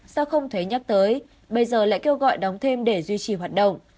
sao không thấy nhắc tới bây giờ lại kêu gọi đóng thêm để duy trì hoạt động